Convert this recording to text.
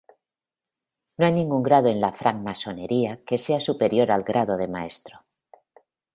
No hay ningún grado en la francmasonería que sea superior al grado de maestro.